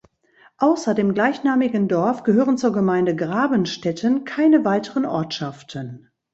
Außer dem gleichnamigen Dorf gehören zur Gemeinde Grabenstetten keine weiteren Ortschaften.